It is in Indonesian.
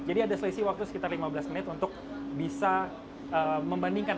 jadi ada selisih waktu sekitar lima belas menit untuk bisa membandingkan